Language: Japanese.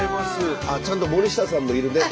ちゃんと森下さんもいるね。